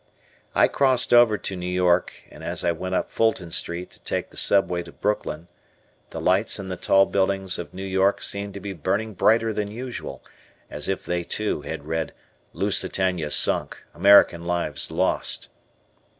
I crossed over to New York, and as I went up Fulton Street to take the Subway to Brooklyn, the lights in the tall buildings of New York seemed to be burning brighter than usual, as if they, too, had read "Lusitania Sunk! American Lives Lost!"